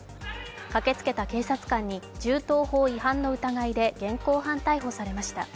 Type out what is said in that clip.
駆けつけた警察官に銃刀法違反の疑いで現行犯逮捕されました。